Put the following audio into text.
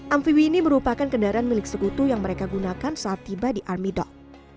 amfibi ini merupakan kendaraan milik sekutu yang mereka gunakan saat tiba di armidok